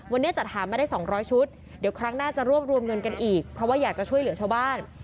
วันนี้จัดหามาได้๒๐๐ชุดเดี๋ยวครั้งหน้าจะรวบรวมเงินกันอีกเพราะว่าอยากจะช่วยเหลือชาวบ้าน